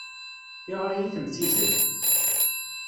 Tiɣri i temsizzelt.